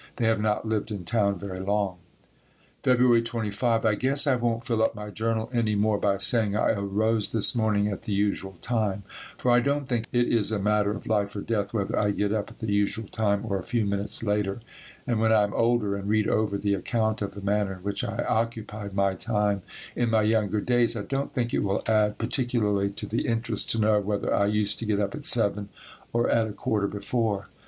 They have not lived in town very long. February 25. I guess I won't fill up my journal any more by saying I arose this morning at the usual time, for I don't think it is a matter of life or death whether I get up at the usual time or a few minutes later and when I am older and read over the account of the manner in which I occupied my time in my younger days I don't think it will add particularly to the interest to know whether I used to get up at 7 or at a quarter before.